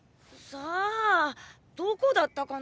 さあどこだったかな？